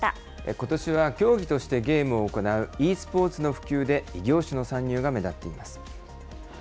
ことしは競技としてゲームを行うｅスポーツの普及で、異業種の参入が目立っています。